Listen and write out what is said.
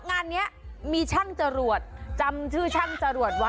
อ๋ออันนี้มีช่างจรวดจำชื่อช่างจรวด